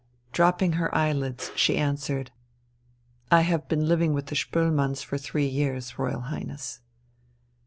Dropping her eyelids she answered: "I have been living with the Spoelmanns for three years, Royal Highness."